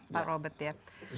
pak robert ya